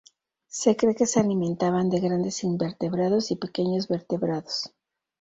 Se cree que se alimentaban de grandes invertebrados y pequeños vertebrados.